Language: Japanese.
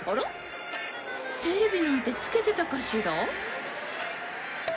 テレビなんてつけてたかしら？